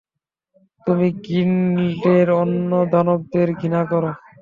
তুমি গিল্ডের অন্য দানবদের ঘৃণা করো?